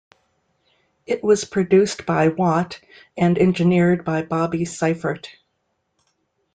It was produced by Watt and engineered by Bobby Seifert.